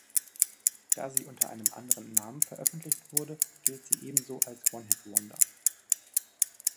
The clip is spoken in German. Da sie unter einem anderen Namen veröffentlicht wurde, gilt sie ebenso als One-Hit-Wonder.